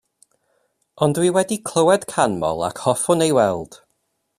Ond dwi wedi clywed canmol ac hoffwn ei weld.